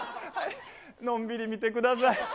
のんびり見てください。